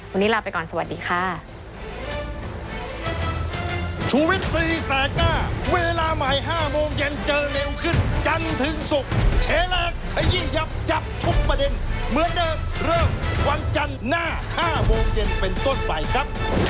วันนี้ลาไปก่อนสวัสดีค่ะ